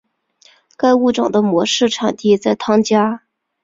该物种的模式产地在汤加。